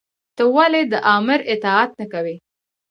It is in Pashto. تۀ ولې د آمر اطاعت نۀ کوې؟